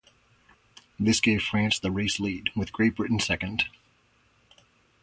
This gave France the race lead, with Great Britain second.